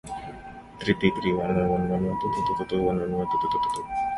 The committee's conclusions were enough to force the trustees to change management practices.